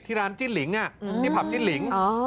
ร้านจิ้นหลิงที่ผับจิ้นหลิง